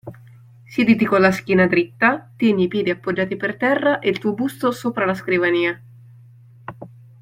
Siediti con la schiena diritta, tieni i piedi poggiati per terra e il tuo busto sopra la scrivania.